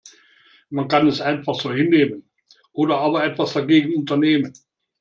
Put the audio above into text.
Man kann es einfach so hinnehmen oder aber etwas dagegen unternehmen.